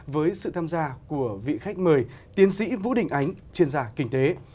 với sự tham gia của vị khách mời tiến sĩ vũ đình ánh chuyên gia kinh tế